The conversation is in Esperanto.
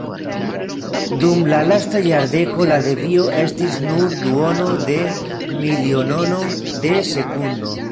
Dum la lasta jardeko la devio estis nur duono de milionono de sekundo.